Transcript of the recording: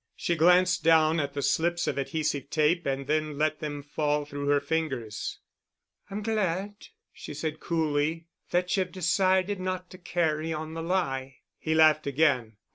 She glanced down at the slips of adhesive tape and then let them fall through her fingers. "I'm glad," she said coolly, "that you've decided not to carry on the lie——" He laughed again.